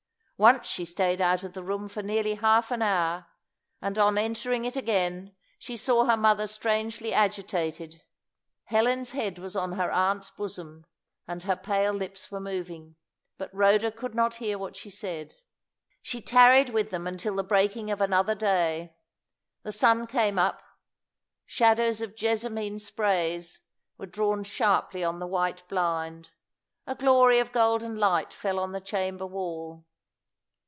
Once she stayed out of the room for nearly half an hour, and on entering it again, she saw her mother strangely agitated. Helen's head was on her aunt's bosom, and her pale lips were moving. But Rhoda could not hear what she said. [Illustration: "She tarried with them until the breaking of another day." Page 7] She tarried with them until the breaking of another day. The sun came up. Shadows of jessamine sprays were drawn sharply on the white blind; a glory of golden light fell on the chamber wall.